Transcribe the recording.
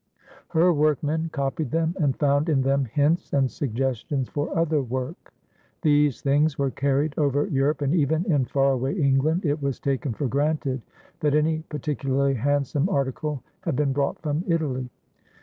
Her workmen copied them and found in them hints and suggestions for other work. These things were carried over Europe, and even in far away England it was taken for granted that any particularly handsome article had been brought from Italy.